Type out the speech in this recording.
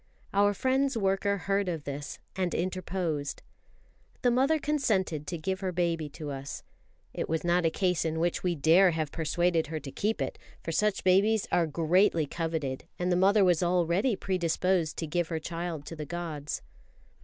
Our friend's worker heard of this, and interposed. The mother consented to give her baby to us. It was not a case in which we dare have persuaded her to keep it; for such babies are greatly coveted, and the mother was already predisposed to give her child to the gods.